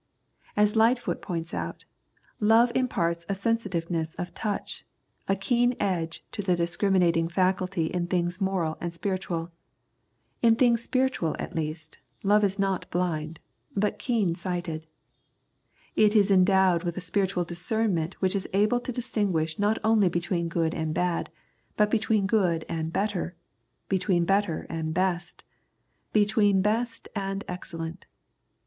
As Lightfoot points out, " love imparts a sensitiveness of touch, a keen edge to the discriminating faculty in things moral and spiritual." In things spiritual at least love is not blind, but keen sighted. It is endowed with a spiritual discernment which is able to distinguish not only between good and bad, but between good and better, between better and best, and between best and excellent.